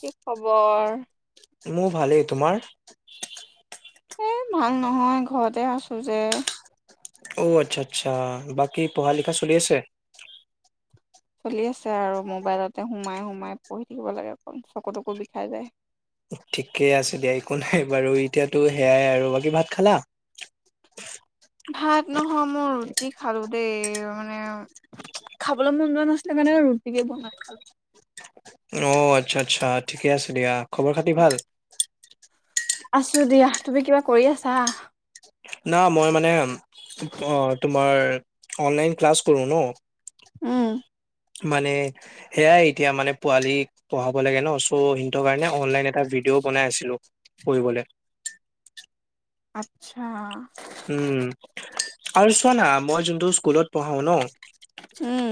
কি খবৰ? মোৰ ভালেই তোমাৰ? [inaudible] এই ভাল নহয় ঘৰতে আছোঁ যে অ', আচ্ছা আচ্ছা বাকী পঢ়া লিখা চলি আছে? চলি আছে আৰু মোবাইলতে সোমাই সোমাই পঢ়ি থাকিব লাগে অকল চকু তকু বিষাই যায়। ঠিকেই আছে দিয়া একো নাই বাৰু এতিয়াতো সেয়াই আৰু বাকী ভাত খালা? [inaudible] ভাত নহয় মই ৰুটি খালো দেই মানে- খাবলৈ মন যোৱা নাছিলে কাৰণে আৰু ৰুটিকে বনাই খাল অ আচ্ছা আচ্ছা ঠিকে আছে দিয়া খবৰ খাতি ভাল? আছো দিয়া তুমি কিবা কৰি আছা? না মই মানে অঁ তোমাৰ অনলাইন ক্লাছ কৰোঁ ন? উম, মানে সেয়াই এতিয়া মানে পোৱালীক পঢ়াব লাগে ন চ' সেইটো কাৰণে অনলাইন এটা - ভিডিঅ বনাই আছিলো পঢ়িবলৈ, আচ্ছা, উম আৰু চোৱা না মই যোনটো স্কুলত পঢ়াও ন উম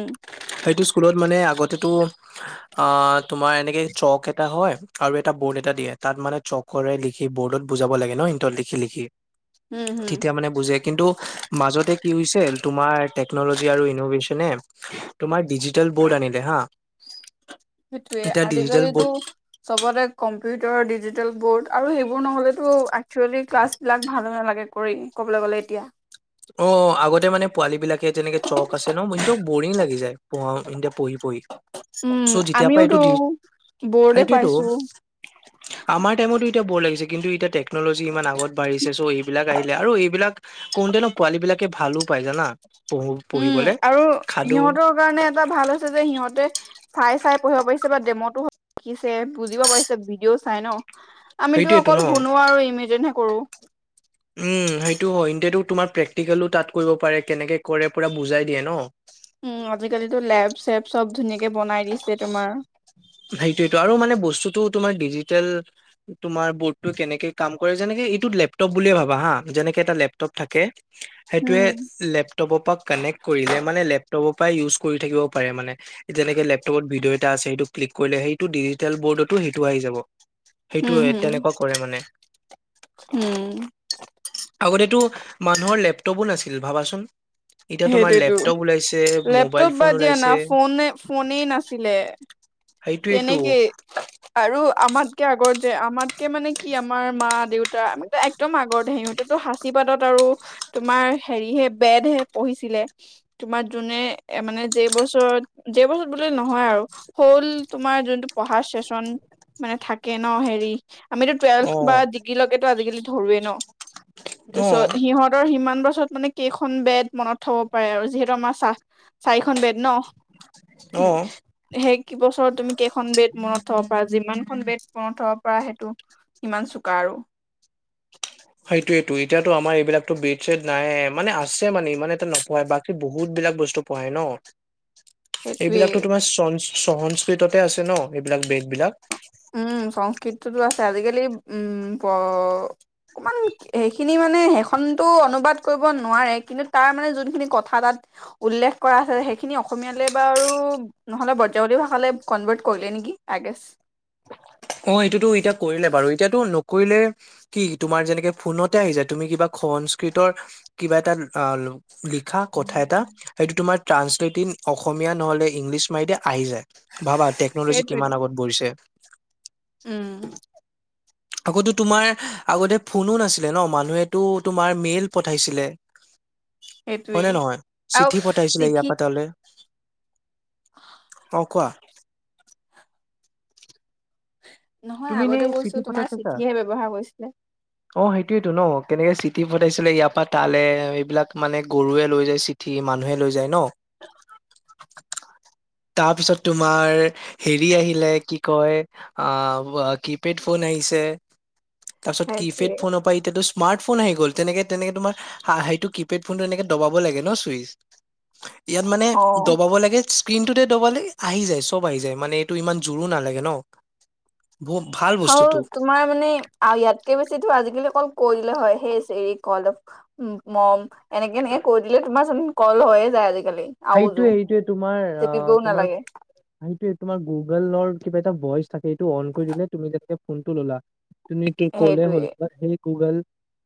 সেইটো স্কুলত মানে আগতেতো অ তোমাৰ এনেকে চক এটা হয় আৰু এটা বৰ্ড এটা দিয়ে তাত মানে চকৰে লিখি বৰ্ডত বুজাব লাগে ন ইটত লিখি লিখি উম হম তেতিয়া মানে বুজে কিন্তু মাজতে কি হৈছে তোমাৰ টেকনলজি আৰু ইনভেশচন- তোমাৰ ডিজিটেল বৰ্ড আনিলে হা, সেইটোয়ে এতিয়া ডিজিটেল আজিকালিতো বৰ্ড চবতে কম্পিউটাৰ ডিজিটেল বৰ্ড আৰু সেই - - বোৰৰ নহলেতো এক্সুৱেলী ক্লাছ বিলাক ভাল নালাগে কৰি ক'বলৈ গ'লে এতিয়া। অ' আগতে মানে পোৱালী বিলাকে তেনেকে চক আছে ন মোইনটো বৰিং লাগি যায় পৰ এতিয়া পঢ়ি পঢ়ি উম চ' যেতিয়াৰ পৰা আমিওতো এইটো দি, বৰ্ডে সেইটোৱেটো। পাইছো আমাৰ টাইমত এতিয়া বৰ লাগিছে। কিন্তু এতিয়া টেকনোলজি ইমান আগত বাঢ়িছে চ' এইবিলাক আহিলে আৰু এইবিলাক কোনণ্টেল পোৱালী বিলাকে ভালোঁ পায় জানা। উম, পঢ়িবলে আৰু খাদো সিহঁতৰ কাৰণে এটা ভাল হৈছে যে সিহঁতে চাই চাই পঢ়িব পাৰিছে বা ডেমতো শিকিছে বুজিব পাৰিছে ভিডিঅ' চাই ন আমিতো সেইটোয়েতো ন অকল শুনো আৰু ইমেজিনহে কৰোঁ। উম, সেইটো হয় এন্তেতো তোমাৰ প্ৰেক্টিকেলো তাত কৰিব পাৰে কেনেকে কৰে পুৰা বুজাই দিয়ে ন। উম আজিকালিতো লেব চেব চব ধুনীয়াকে বনাই দিছে তোমাৰ সেইটোৱেটো আৰু মানে বস্তুতটো তোমাৰ ডিজিটেল তোমাৰ বৰ্ডটো কেনেকে কাম কৰে যেনেকে এইটোত লেপটপ বুলিয়ে ভাবা হা যেনেকে এটা লেপটপ থাকে। উম সেইটোৱে লেপটপৰ পৰা কানেক্ট কৰিলে মানে লেপ লেপটেপৰ পৰাই ইউজ কৰি থাকিব পাৰে মানে যেনেকে লেপটপত ভিডিঅ' এটা আছে সিটো ক্লিক কৰিলে সেইটো ডিজিটেল বৰ্ডতো সেইটো আহি যাব। উম সেইটোয়ে হম তেনেকুৱা কৰে মানে। উম আগতেতো মানুহৰ লেপটপো নাছিল ভাবাচোন। এতিয়া তোমাৰ সেইটোৱেতো লেপটপ ওলাইছে লেপটপ মোবাইল বা ফোন দিয়া না ওলাইছে। ফোনে ফোনেই নাছিলে সেইট এইেইট। তেনেকেই আৰু আমাতকে আগৰ যে আমাতকে মানে কি আমাৰ মা দেউতা আমো একদম আগৰে সিহতে। টো সাঁচি পাতত আৰু তোমাৰ হেৰি হে বেদহে। পঢ়িছিলে তোমাৰ যোনে মানে যেই বছৰত য বছৰত বোলে নহয় আৰু। ল তোমাৰ যোনটো পঢ়া চচন মানে থাকে ন হেৰি। আমিতো টুৱেলভ অ বা ডিগ্ৰীলৈকেতো আজিকালি ধৰোৱে ন। অ তাৰপিছত সিহঁতৰ সিমান বছৰত মানে কেইখন বেত। মনত থব পাৰে আৰু যিহেতু আমাৰ চাহ চাৰিখন বেড ন' অ উ সেই বছৰত তুমি কেইখন বেেত মনত। পৰা যিমানখন বেড পথৰ পৰা সেইটো সিমান চোকা আৰু। সেইটোয়ো এতিয়াতো আমাৰ এইবিলাকো বেড চছেড নাই মানে আছে মানে ইমান এটা নকয় বাকী বহুত। সব বিলাক বস্তু পঢ়ায় ন সেইটোৱেই এইবিলাকতো তোমাৰ চ চহনস্ৰীটতে আছে ন এইবিলাক বেগ বিলাক জালি উ অমান সেইখিনি মানে সেইখনো অনুবাদ। নোৱাৰে কিন্তু তাৰ মানে যোনখিনি কথা তাত উল্লেখ কৰা আছে সেইখিনি অসমীয়ালৈ ব নহলে ব্ৰজাৱলী ভাষালৈ কনভাৰ্ট কৰিলে নেকিগে অ এইটোতো এতিয়া কৰিলে বাৰু এতিয়াতো নকৰিলে কি তোমাৰ যেনেকে ফোনতে আহি যায় তুমি কিবা। সংস্কৃতৰ কিবা এটা। লিখা কথা এটা সেইটো তোমাৰ ট্ৰান্ঞ্চলেটন অসমীয়া নহলে ইংলিছ মাৰিয়া। আহি যায় ভাবা টেকনলজি কিমান সেইটোৱেইটো আগত পঢ়িছে উম আকৌ তোমাৰ আগতে ফোনো নাছিলে ন মানুহেতো তোমাৰ মেইল পঠাইছিলে সেইটোৱেই হয়নেে নহয় আৰু চিঠি পঠাইছিলে চিঠি ইয়াৰ পৰা তলে। অ কোৱা নহয় তুমি নে আগতে কৈছো চিঠি পঠাই তোমাৰ চাইছা? চিঠিহে ব্যৱহাৰ কৰিছিলে অ সেইটোয়ো ন কেনেকে চিঠি পঠাইছিলে ইয়াৰ পৰা তালে এইবিলাক মানে গৰুৱে লৈ যায় চিঠি মানুহে লৈ যায় ন তাৰ পিছত তোমাৰ হেৰি আহিলে কি কয় অ কিপেড ফোন আহ হিছে তাৰপিছত কী পেড সেইটোৱে ফোনৰ পৰা এতিয়া টো চ স্মাৰ্টফোন আহি গ'ল তেনেকে তেনেকৈ তোমাৰা সেইটো কিপেড ফোনটো এনেকৈ দবাব লাগে ন ছুইচ ইয়াত মানে অ দবাব লাগে স্ক্ৰিনটোতে দবালে আহি যায় সব আহি যায় মানে এইটো ইমান জোৰো নালাগে ন বহু ভাল হ বস্তুটো তোমাৰ মানে ইয়াতকে বেছি টো আজিকালি অকল কৈ দিলে হয় সেই চেৰি কল ড মম এনেকে এনেকে কৈ দিলে তোমাৰ চোন কল হয়য়ে যায় আজ সেইটোয়ে সেইটোয়ে তোমাৰ অ তোমাৰ নালাগে সেইটোয়ে তোমাৰ গুগলৰ কিবা এটা ভইচ থাকে এইটো অন কৰি দিলে তুমি যেনে ফোনটো ল'লা তুমি কলে হল সেইটোয়ে স গুগল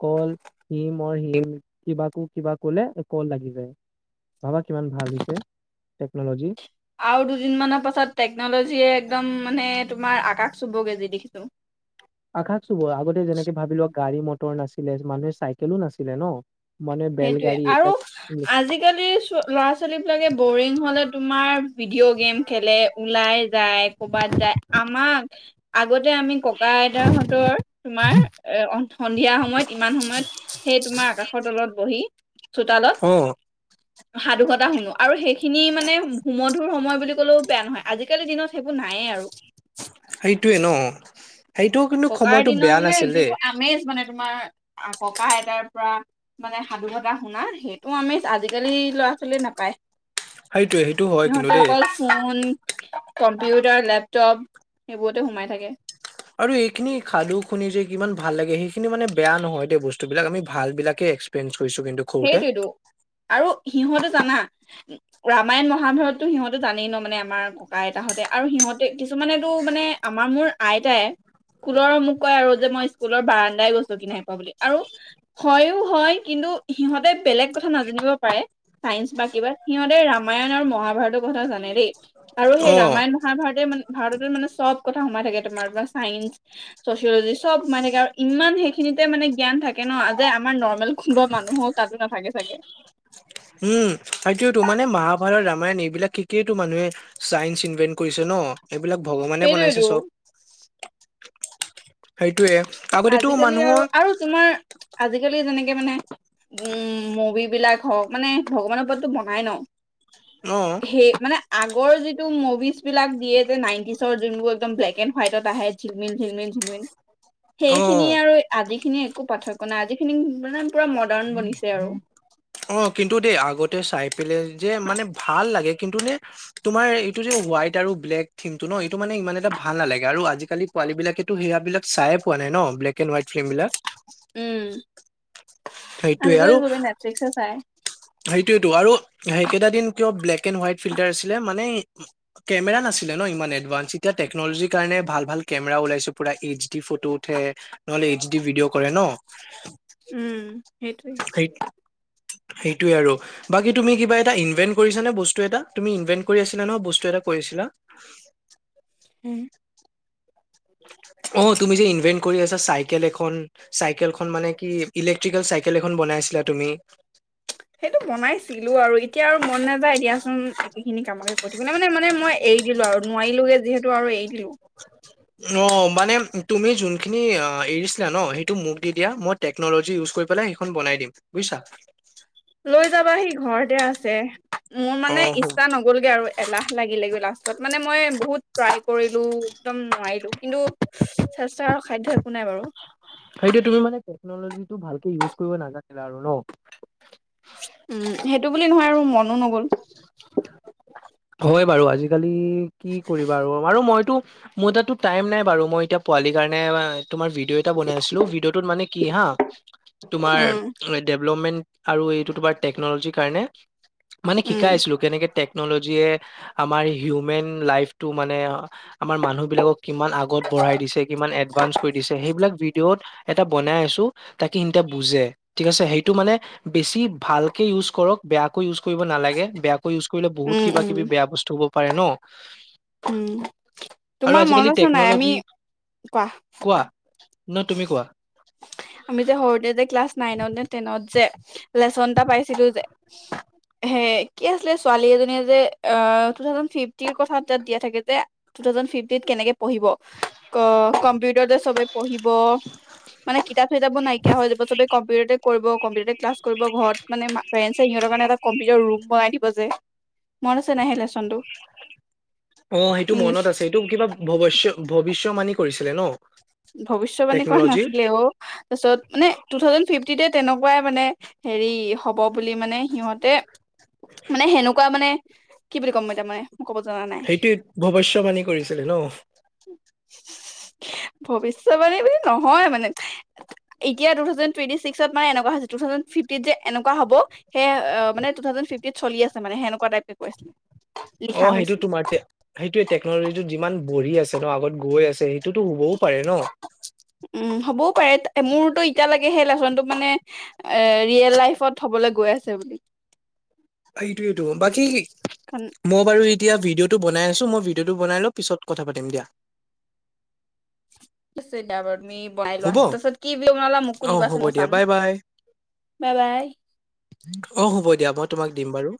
কল হম হ কিবাকো কিবা কলে কল লাগি যায় ভাবা কিমান ভাল হৈছে টেকনলজি আৰু দুদিন মানৰ পাছত টেকনলজিয়ে একদম মানে তোমাৰ আকাশ চুবগে যি দেখিছো আকাশ চোব আগতে যেনেকে ভাবি লোৱা গাড়ী মটৰ নাছিলে মানুহে চাইকেলো নাছিলে ন মানে সেইটোয়ে বেলগাড়ী আৰু এইবিলাক আজিকালি ল'ৰা ছোৱালী বিলাকে বৰিং হলে তোমাৰ ভিডিঅ' গেম খেলে ওলাই যায় কৰ'বাত যায় আমাক আগতে আমি ককা আইতাহঁতৰ তোমাৰ এ সন্ধিয়া সময়ত ইমান সময়ত সেই তোমাৰ আকাশৰ তলত বহি অ চোতালত সাধুকতা শুনো আৰু সেইখিনি মানে হুমধুৰ সময় বুলি ক'লেও বেয়া নহয় আজিকালিৰ দিনত সেইবোৰ নায়য়ে আৰু সেইটোৱে ন সেইটোও কিন্তু ককাৰ খময়টো দিনৰ বেয়া মানে নাছিল দেই যিটো আমেজ মানে তোমাৰ ককা আইতাৰ পৰা মানে সাধুকথা শুনা সেইটো আমি আজিকালি ল চালি নাপায় সেইটোৱে সেইটো হয় কিন্তু সিহঁতে দেই অকল ফোন, কম্পিউটাৰ, লেপটপ সেইবোৰতে সোমাই থাকে। আৰু এইখিনি সাধু শুনি যে কিমান ভাল লাগে সেইখিনি মানে বেয়া নহয় দে বস্তু বিলাক আমি ভাল বিলাকে এক্সপেৰিয়েঞ্চ কৰিছো কিন্তু সৰুতে সেইটোৱেতো আৰু সিহঁতে জানা, ৰামায়ণ মহাভাৰতো সিহঁতে জানেই ন মানে আমাৰ ককা আইতাহঁতে আৰু সিহঁ তে কিছুমানেতো মানে আমাৰ মোৰ আইতাই স্কুলৰ মোক কয় আৰু যে মই স্কুলৰ বাৰান্দাই গছকি নাই পোৱা বুলি আৰু হয়ো হয় কিন্তু সিহঁতে বেলেগ কথা নাজানিব পাৰে চাইন্স বা কিবা সিহঁতে ৰামায়ণ আৰু মহাভাৰতৰ কথা জানে দেই আৰু সেই অ ৰামায়ণ মহাভাৰতে মানে ভাৰততে মানে চব কথা সোমাই থাকে তোমাৰ পৰা চাইন্স চচিয়'লজি চব সোমাই থাকে আৰু ইমান সেইখিনি তে মানে জ্ঞান থাকে ন যে আমাৰ নৰ্মেল কোনোবা মানুহৰ তাতো নাথাকে চাগে উম সেইটোয়েটো, মানে মহাভাৰত ৰামায়ণ এইবিলাক শিকিয়েইটো মানুহে চাইন্স ইনভেন্ট কৰিছে ন এইবিলাক ভগৱানে বনাইছে সেইটোৱেতো চব, সেই আজিকালি আৰু আৰু তোমাৰ আজিকালি যেনেকে মানে উম মুভিবিলাক হওঁক মানে ভগৱানৰ ওপৰততো বনাই ন অ সেই মানে আগৰ যিটো মুভিজ বিলাক দিয়ে যে নাইনটিচৰ যোনবোৰ একদম ব্লেক এণ্ড হোৱাইটত আহে ঝিলমিল ঝিলমিল [inaudible] [unintelligible] অ সেইখিনিৰ আৰু আজিৰখিনিৰ একো পাৰ্থক্য নাই আজি খিনি মানে পুৰা মডাৰ্ণ বনিছে আৰু অ কিন্তু দেই আগতে চাই পেলাই যে মানে ভাল লাগে কিন্তু নে তোমাৰ এইটো যে হোৱাইট আৰু ব্লেক থিমটো ন এইটো মানে ইমান এটা ভাল নালাগে আৰু আজিকালি পোৱালী বিলাকেতো সেয়া বিলাক চাইয়ে পোৱা নাই ন ব্লেক এণ্ড হোৱাইট ফিল্ম বিলাক? উম আজিকালি চবেই নেটফ্লিক্সে চাই। সেইটোৱেইটো আৰু সেইকেইটা দিন কিয় ব্লেক এণ্ড হোৱাইট ফিল্টাৰ আছিলে মানে কেমেৰা নাছিল ন ইমান এডভান্স। এতিয়া টেকনলজি কাৰণে ভাল ভাল কেমেৰা ওলাইছে পুৰা এইচ ডি ফটো উঠে। এইচি ভিডিঅ কৰে ন। উম, সেইটো। সেই সেইটোয়ে আৰু বাকী তুমি কিবা এটা ইনভেন্ট কৰিছ নে বস্তু এটা তুমি ইনভেন্ট কৰি আছিলা ন বস্তু এটা? কৰিছিলা। হ উ [unintelligible] অ' তুমি যে ইনভেন্ট কৰি আছা চাইকেল এখন চাইকেলখন মানে কি ইলেক্ট্ৰিকেল চাইকেল এখন বনাই ছিলা তুমি? সেইটো বনাইছিলো আৰু এতিয়া আৰু মন নাযায় দিয়াচোন একেখিনি কামকে কৰি থাকিব ন মানে মানে মই এৰি দিলো। আৰু নোৱাৰিলোগে যিহেতু আৰু এৰি দিলো। [inaudible] অ' মানে তুমি যোনখিনি এৰিছিলা ন সেইটো মোক দি দিয়া মই টেকনলজি ইউজ কৰি পেলাই সেইখন বনাই দিম বুজিছা? লৈ যাবাহি, ঘৰতে আছে। মোৰ হয়। মানে ইচ্ছা নগ'লগে আৰু এলাহ লাগিলেগে লাষ্টত মানে মই বহুত ট্ৰাই কৰিলো একদম নোৱাৰিলো কিন্তু চেষ্টা সেইটো তুমি মানে টেকনলজিটো ভালকে ইউজ কৰিব নাজানিলা আৰু ন? উম, সেইটো বুলি নহয় আৰু মনো নগ'ল। হয় বাৰু আজিকালি কি কৰিবা আৰু বাৰু মই। মোৰ তাতো টাইম নাই বাৰু মই এতিয়া পোৱালি কাৰণে। তোমাৰ ভিডিও এটা বনাই আছিলোঁ, ভিডিওটোত মানে কি হা তোমাৰ উম ডেভলপমেন্ট, আৰু এইটো তোমাৰ টেকনলজিৰ কাৰণে। মানে উম শিকাই আছিলো। কেনেকে টেকন'লজিয়ে আমাৰ হিউমেন লাইফটো মানে আমাৰ মানুহবিলাকক কিমান আগত বঢ়াই দিছে, কিমান এডভা্ঞ্চ কৰি দিছে সেইবিলাক ভিডিঅ'ত এটা বনাই আছো তাকে সিহঁতে বুজে ঠিক আছে সেইটো মানে বেছি ভালকে ইউজ কৰক। বেয়াকৈ ইউজ কৰিব নালাগে, বেয়াকৈ ইউজ কৰিলে বহুত উম কিবা উম কিবি বেয়া বস্তু হব পাৰে ন। উম, আৰু তোমাৰ আজিকালি মনত আছে নাই আমি টেকন'লজি কোৱা? ন তুমি কোৱা আমি যে সৰুতে যে ক্লাছ নাইনত নে টেনত যে। লেচন এটা পাইছিলো যে সেই কি আছিলে ছোৱালী এজনীয়ে যে টু থাউজেণ্ড ফিফটিৰ কথাত দিয়া থাকে যে টু থাউজেণ্ড ফিফটিত কেনেকে পঢ়িব কম্পিউটৰত যে চবে পঢ়িব। মানে কিতাপ চিতাপো নাইকিয়া হৈ যাব চবে কম্পিউটাৰতে কৰিব কম্পিউটাৰতে ক্লাছ কৰিব ঘৰতমানে পেৰেণ্টছে সিহঁতৰ কাৰণে এটা কম্পিউটাৰ ৰুম বনাই দিব যে। মনত আছে নাই হেই লেচনটো অ সেইটো ইংলিছ মনত আছে এইটো কিবা ভৱষ্য ভৱিষ্য বাণি কৰিছিলে ন। ভৱিষ্যবাণী কৰা টেকন'লজিৰ নাছিলে অ তাৰপিছত মানে তু থাউজেণ্ড ফিফটিতে তেনেকুৱাই মানে হেৰি হব বুলি মানে সিহঁতে মানে সেনেকুৱা মানে কি বুলি ক'ম এতিয়া। মই ক'ব জনা নাই সেইটোৱে ভৱিষ্যতবাণী কৰিছিলে ন। [inaudible] ভৱিষ্যবানী নহয় মানে এতিয়া টু থাউজেণ্ড টুৱেন্টি ছিক্সত মানে এনেকুৱা হৈছে। টু থাউজেণ্ড ফিফটিত যে এনেকুৱা হব সেয়েহে মানে টু থাউজেণ্ড ফিফটিত চলি আছে মানে হেনেকুৱা টাইপ দেখাইছে। অ' সেইটো তোমাৰ সেইটোয়ে টেকনলজিটো যিমান বঢ়ি আছে ন আগত গৈ আছে। এইটোতো হবও পাৰে ন। উম হ'বও মোৰতো এতিয়ালেকে সেই লেচনটো মানে ৰিয়েল লাইফত হবলে গৈ আছে বুলি। এইটো এইটো বাকী কাৰণ মই বাৰু এতিয়া ভিডিঅ'তটো বনাই আছো মই ভিডিঅ' বনাইলওঁ পিছত কথা পাতিম দিয়া। দিয়া বাৰু তুমি বনাই লোৱা হ'ব তাৰপিছত কি ভিদিও বনালা মোকো অ হ'ব দিবাচোন মইও দিয়া চাম বাই বাই বাই বাই। অ হ'ব দিয়া মই তোমাক দিম বাৰু